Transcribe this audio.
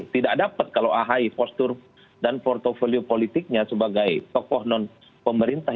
tidak dapat kalau ahy postur dan portfolio politiknya sebagai tokoh non pemerintah